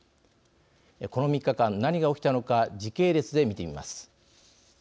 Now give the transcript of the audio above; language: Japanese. この３日間、何が起きたのか時系列で見てみます。